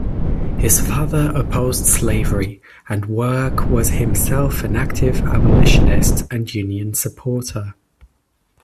His father opposed slavery, and Work was himself an active abolitionist and Union supporter.